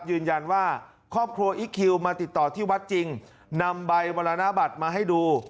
ยืนยันว่าครอบครัวอีคคิวมาติดต่อที่วัดจริงนำใบมรณบัตรมาให้ดู